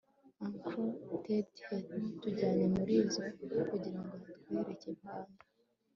uncle ted yatujyanye muri zoo kugirango atwereke panda